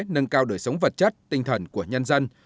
nâng cao đời sống vật chất tinh thần của nhân dân